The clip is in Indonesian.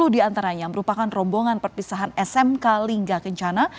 sepuluh diantaranya merupakan rombongan perpisahan smk lingga kencana